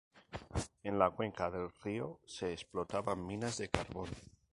En la cuenca del río se explotan minas de carbón.